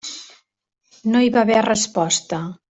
No hi va haver resposta.